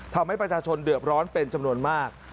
ทำให้ประชาชนเดือดร้อนเป็นจำนวนมาก